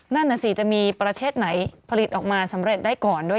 นั่นน่ะสิจะมีประเทศไหนผลิตออกมาสำเร็จได้ก่อนด้วย